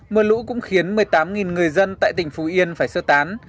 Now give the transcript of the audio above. mưa lũ cũng khiến một mươi tám người dân tại tỉnh phú yên phải sơ tán